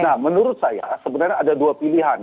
nah menurut saya sebenarnya ada dua pilihan